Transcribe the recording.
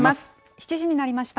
７時になりました。